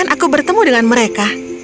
aku bertemu dengan mereka